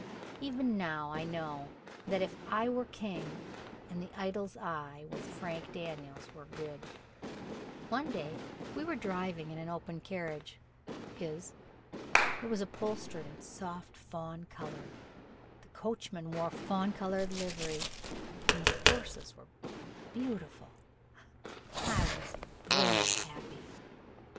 Even now I know that "If I Were King" and "The Idol's Eye", with Frank Daniels, were good. One day we went driving in an open carriage his. It was upholstered in soft fawn color, the coachman wore fawn colored livery, and the horses were beautiful. I was very happy.